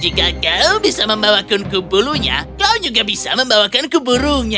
jika kau bisa membawakan kubulunya kau juga bisa membawakan kuburunya